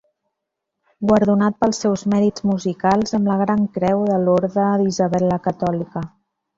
Guardonat pels seus mèrits musicals amb la gran creu de l'Orde d'Isabel la Catòlica.